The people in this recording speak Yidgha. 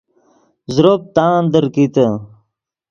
زروپ تاندیر کیتے